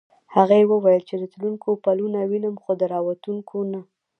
هغې وویل چې د تلونکو پلونه وینم خو د راوتونکو نه.